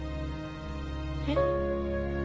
えっ？